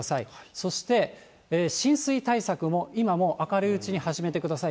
そして浸水対策も、今もう、明るいうちに始めてください。